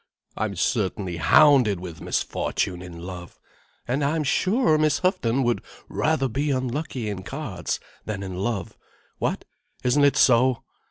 I'm certainly hounded with misfortune in love. And I'm sure Miss Houghton would rather be unlucky in cards than in love. What, isn't it so?"